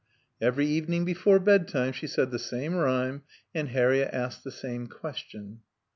Every evening before bedtime she said the same rhyme, and Harriett asked the same question.